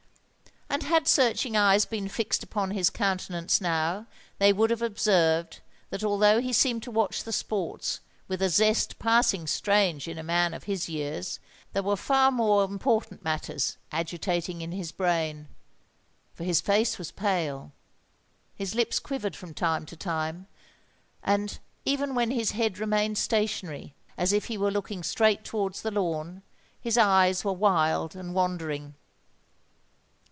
And had searching eyes been fixed upon his countenance now, they would have observed that although he seemed to watch the sports with a zest passing strange in a man of his years, there were far more important matters agitating in his brain;—for his face was pale—his lips quivered from time to time—and, even while his head remained stationary as if he were looking straight towards the lawn, his eyes were wild and wandering.